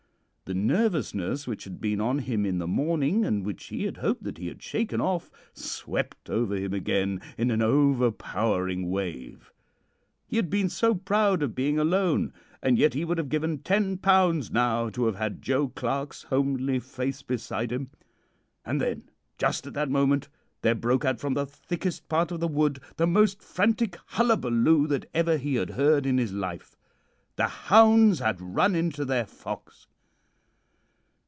The nervousness which had been on him in the morning, and which he had hoped that he had shaken off, swept over him again in an overpowering wave. He had been so proud of being alone, and yet he would have given 10 pounds now to have had Joe Clarke's homely face beside him. And then, just at that moment, there broke out from the thickest part of the wood the most frantic hullabaloo that ever he had heard in his life. The hounds had run into their fox.